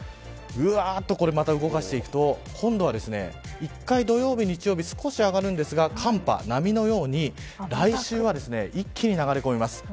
ぐわっとまた動かしていくと今度は１回、土曜日日曜日少し上がるんですが寒波、波のように来週は一気に流れ込みます。